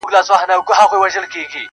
چي د اوښکو په ګودر کي د ګرېوان کیسه کومه -